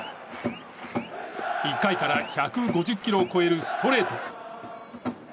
１回から１５０キロを超えるストレート。